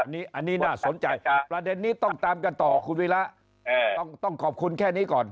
อันนี้น่าสนใจประเด็นนี้ต้องตามกันต่อคุณวิระต้องขอบคุณแค่นี้ก่อน